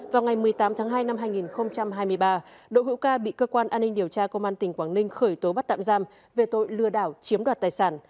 vào ngày một mươi tám tháng hai năm hai nghìn hai mươi ba đội hữu ca bị cơ quan an ninh điều tra công an tỉnh quảng ninh khởi tố bắt tạm giam về tội lừa đảo chiếm đoạt tài sản